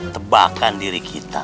tebakan diri kita